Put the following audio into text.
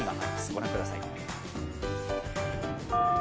ご覧ください。